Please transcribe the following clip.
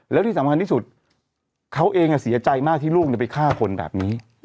แล้วที่สำคัญที่สุดเขาเองเสียใจมากที่ลูกไปฆ่าคนแบบนี้